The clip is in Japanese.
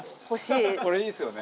これいいですよね。